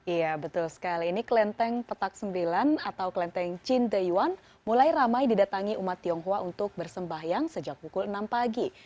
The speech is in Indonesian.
iya betul sekali ini kelenteng petak sembilan atau kelenteng cindeyuan mulai ramai didatangi umat tionghoa untuk bersembahyang sejak pukul enam pagi